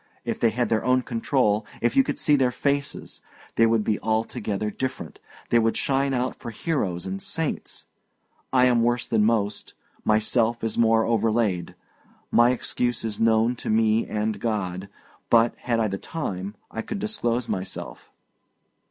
If they had their own control if you could see their faces, they would be altogether different, they would shine out for heroes and saints! I am worse than most; myself is more overlaid; my excuse is known to me and God. But, had I the time, I could disclose myself."